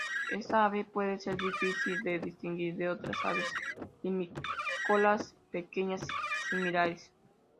Esta ave puede ser difícil de distinguir de otras aves limícolas pequeñas similares.